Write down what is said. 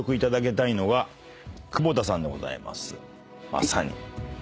まさに。